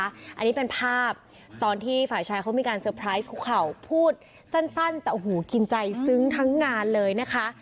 อันนี้เป็นภาพตอนที่ฝ่ายชายเขามีการเตอร์ไพรส์คุกเข่าพูดสั้นแต่โอ้โหกินใจซึ้งทั้งงานเลยนะคะ